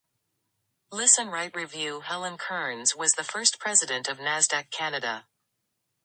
Helen Kearns was the first President of Nasdaq Canada.